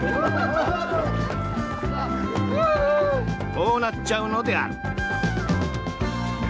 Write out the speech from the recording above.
こうなっちゃうのである。